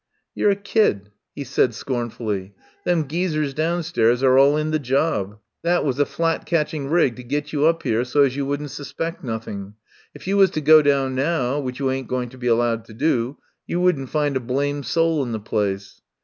"You're a kid," he said scornfully. "Them geesers downstairs are all in the job. That 144 RESTAURANT IN ANTIOCH STREET was a flat catching rig to get you up here so as you wouldn't suspect nothing. If you was to go down now — which you ain't going to be allowed to do — you wouldn't find a blamed soul in the place.